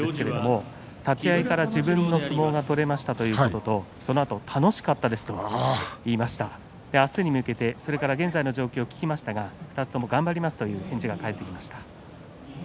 王鵬、立ち合いから自分の相撲が取れましたということとそのあと楽しかったですと言いました明日に向けて現在の状況を聞きましたけども頑張りますという返事が返ってきました。